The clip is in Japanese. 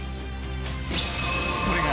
［それが］